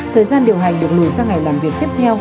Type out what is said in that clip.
thời gian điều hành được lùi sang ngày làm việc tiếp theo